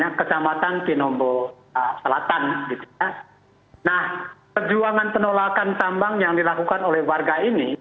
atau tuntutan warga